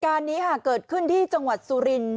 การนี้ค่ะเกิดขึ้นที่จังหวัดสุรินทร์